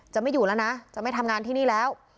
ไม่อยู่แล้วนะจะไม่ทำงานที่นี่แล้ว